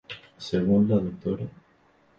Según la Dra.